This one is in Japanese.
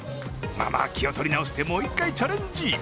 まあまあ気を取り直してもう一回チャレンジ。